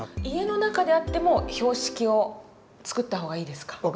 家の中であっても標識を作った方がいいですか。